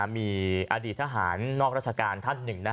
มีอดีตทหารนอกราชการท่านหนึ่ง